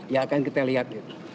ya akan kita lihat